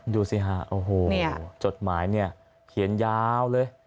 ดูสิฮะโอ้โหจดหมายเนี่ยเขียนยาวเลย